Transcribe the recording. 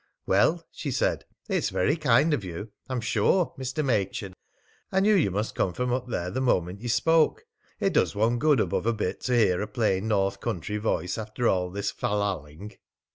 "Well," she said, "it's very kind of you, I'm sure, Mr. Machin. I knew you must come from up there the moment ye spoke. It does one good above a bit to hear a plain north country voice after all this fal lalling."